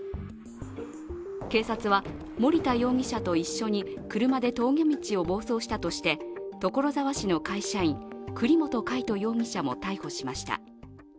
警察は森田容疑者と一緒に車で峠道を暴走したとして所沢市の会社員、栗本海斗容疑者も逮捕しました。